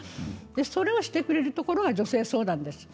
それをしてくれるところが女性相談です。